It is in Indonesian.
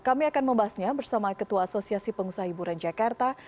kami akan membahasnya bersama ketua asosiasi pengusaha hiburan jakarta